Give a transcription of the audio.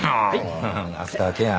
ハハアフターケア。